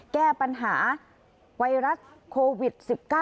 แก้ปัญหาไวรัสโควิด๑๙